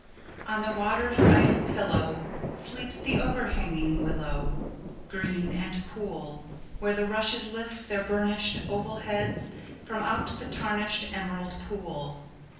On the water's idle pillow Sleeps the overhanging willow, Green and cool; Where the rushes lift their burnished Oval heads from out the tarnished Emerald pool.